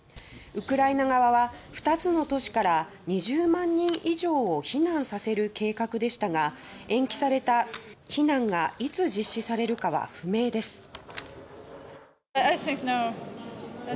ウクライナ側は２つの都市から２０万人以上を避難させる計画でしたが延期された避難がいつ実施されるかは不明です。